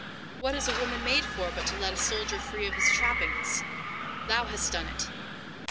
What is a woman made for but to let a soldier free of his trappings? Thou hast done it!